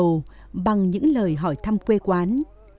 sườn chào bằng những lời hỏi thăm quê quán